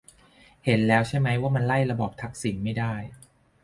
เห็นแล้วใช่ไหมว่ามันไล่ระบอบทักษิณไม่ได้